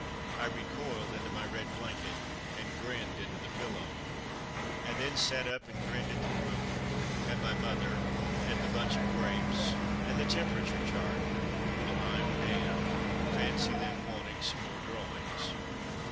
I recoiled into my red blanket and grinned into the pillow. I then sat up and grinned at the room, at my mother, at the bunch of grapes, and the temperature chart. " Well Fm d d ! Fancy them wanting some more drawings!"